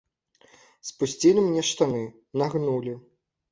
Спусцілі мне штаны, нагнулі.